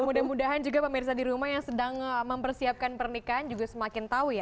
mudah mudahan juga pemirsa di rumah yang sedang mempersiapkan pernikahan juga semakin tahu ya